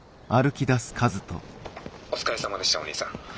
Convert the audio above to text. お疲れさまでしたおにいさん。